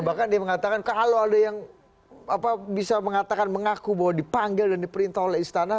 bahkan dia mengatakan kalau ada yang bisa mengatakan mengaku bahwa dipanggil dan diperintah oleh istana